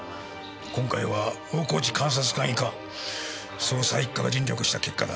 今回は大河内監察官以下捜査一課が尽力した結果だろ。